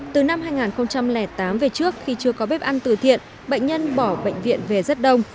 từ năm hai nghìn tám về trước khi chưa có bếp ăn từ thiện bệnh nhân bỏ bệnh viện về rất đông